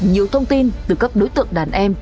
nhiều thông tin từ các đối tượng đàn em